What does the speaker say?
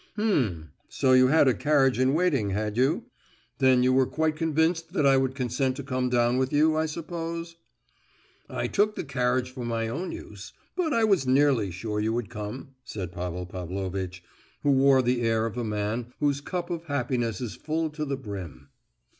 "H'm! so you had a carriage in waiting, had you? Then you were quite convinced that I would consent to come down with you, I suppose?" "I took the carriage for my own use, but I was nearly sure you would come," said Pavel Pavlovitch, who wore the air of a man whose cup of happiness is full to the brim.